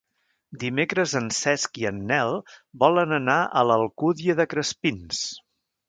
Dimecres en Cesc i en Nel volen anar a l'Alcúdia de Crespins.